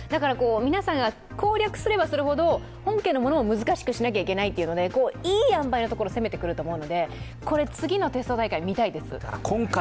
皆さんが攻略すればするほど本家のものも難しくしなきゃいけないということでいいあんばいのところを攻めてくると思うのでこれ、次のテスト大会、見たいです。